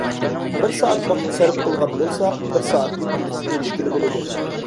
بىر سائەت ۋاقىت سەرپ قىلغان بولسا، بىر سائەتلىك ئۈنۈمگە ئېرىشكىلى بولىدۇ.